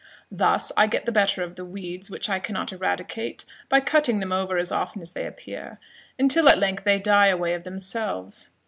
Thus I get the better of the weeds which I cannot eradicate, by cutting them over as often as they appear, until at length they die away of themselves.